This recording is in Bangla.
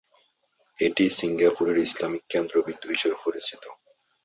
এটি সিঙ্গাপুরের ইসলামিক কেন্দ্রবিন্দু হিসাবে পরিচিত।